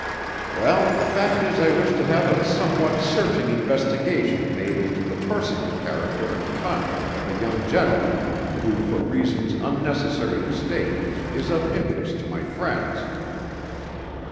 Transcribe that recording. "Well, the fact is I wish to have a somewhat searching investigation made into the personal character and conduct of a young gentleman, who for reasons unnecessary to state, is of interest to my friends."